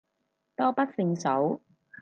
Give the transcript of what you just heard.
多不勝數